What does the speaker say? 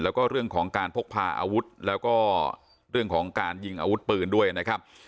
แล้วก็เรื่องของการพกพาอาวุธแล้วก็เรื่องของการยิงอาวุธปืนด้วยนะครับ